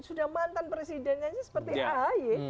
sudah mantan presidennya seperti ahy